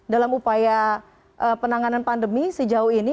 dalam upaya penanganan pandemi sejauh ini